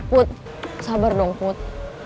put sabar dong put